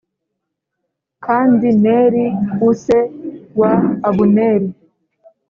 kandi Neri u se wa Abuneri